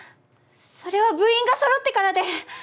それは部員がそろってからで！